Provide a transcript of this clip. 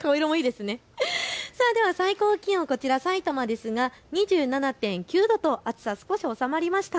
最高気温、こちらさいたまですが２７．９度と暑さ少し収まりました。